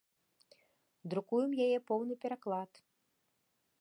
Друкуем яе поўны пераклад.